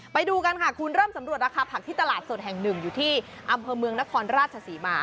ไปดูกันค่ะคุณเริ่มสำรวจราคาผักที่ตลาดสดแห่งหนึ่งอยู่ที่อำเภอเมืองนครราชศรีมา